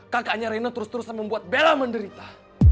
kakaknya reno terus terusan membuat bella menderita